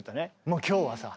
もう今日はさ